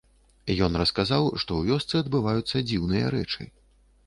Ён расказаў, што ў вёсцы адбываюцца дзіўныя рэчы.